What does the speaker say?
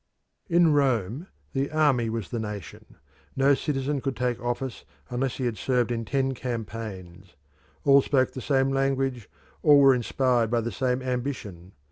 In Rome the army was the nation: no citizen could take office unless he had served in ten campaigns. All spoke the same language, all were inspired by the same ambition.